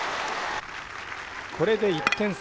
これで１点差。